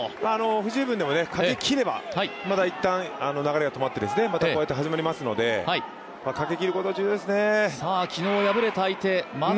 不十分でもかけきれば一旦流れが止まってこうやって始まりますのでかけきることが大事です。